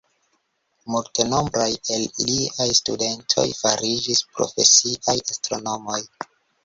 Multenombraj el liaj studentoj fariĝis profesiaj astronomoj.